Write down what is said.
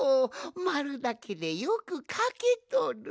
まるだけでよくかけとる！